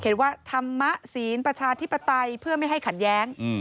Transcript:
ว่าธรรมะศีลประชาธิปไตยเพื่อไม่ให้ขัดแย้ง